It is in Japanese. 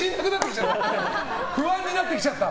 不安になってきちゃった。